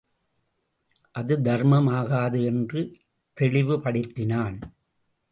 அது தர்மம் ஆகாது என்று தெளிவுபடுத்தினான்.